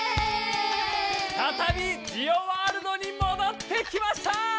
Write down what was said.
ふたたびジオワールドにもどってきました！